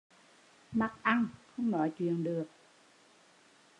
Mắc ăn, không nói chuyện được